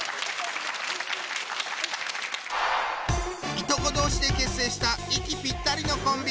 いとこ同士で結成した息ぴったりのコンビ！